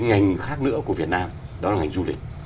ngành khác nữa của việt nam đó là ngành du lịch